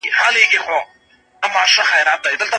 هغه څوک چي قلم پورته کوي مسووليت لري.